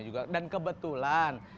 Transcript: juga dan kebetulan